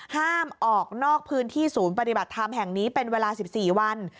ห้ามออกนอกพื้นที่ศูนย์ปฏิบัติธรรมแห่งนี้เป็นเวลา๑๔วัน